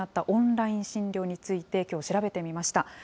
オンライン診療について、きょう、調べてみました。